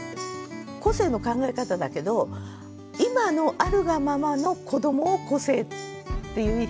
個性の考え方だけど今のあるがままの子どもを個性っていう表現もあると思うんですよね。